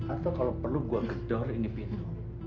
atau kalau perlu gua gedor ini pintu